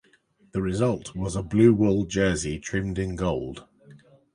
The result was a blue wool jersey trimmed in gold.